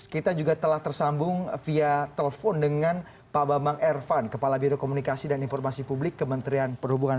kita juga telah tersambung via telepon dengan pak bambang ervan kepala biro komunikasi dan informasi publik kementerian perhubungan